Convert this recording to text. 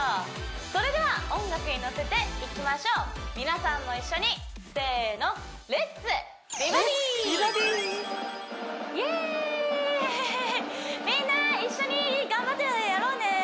それでは音楽に乗せていきましょう皆さんも一緒にせーのイエーイみんな一緒に頑張ってやろうね！